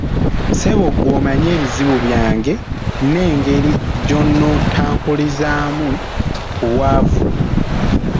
Ssebo gw’omanyi ebizibu byange n'engeri gy’ono ontakkuluzaamu ku bwavu.